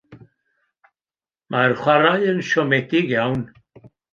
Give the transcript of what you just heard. Mae'r chwarae yn siomedig iawn.